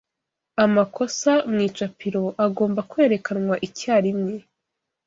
Amakosa mu icapiro agomba kwerekanwa icyarimwe.